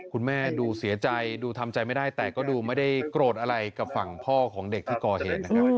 คุณแม่ดูเสียใจดูทำใจไม่ได้แต่ก็ดูไม่ได้โกรธอะไรกับฝั่งพ่อของเด็กที่ก่อเหตุนะครับ